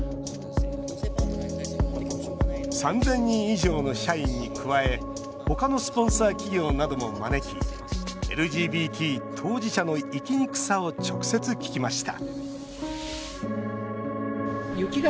３０００人以上の社員に加えほかのスポンサー企業なども招きＬＧＢＴ当事者の生きにくさを直接、聞きました